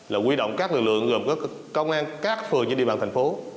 là quy động các lực lượng gồm các công an các phường trên địa bàn thành phố